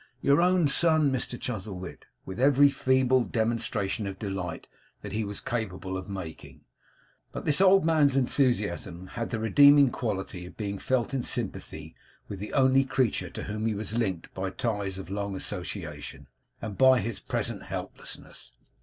Your own son, Mr Chuzzlewit' with every feeble demonstration of delight that he was capable of making. But this old man's enthusiasm had the redeeming quality of being felt in sympathy with the only creature to whom he was linked by ties of long association, and by his present helplessness.